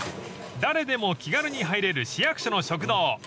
［誰でも気軽に入れる市役所の食堂］